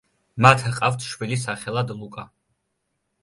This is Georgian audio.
მათ ჰყავთ შვილი სახელად ლუკა.